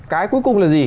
cái cuối cùng là gì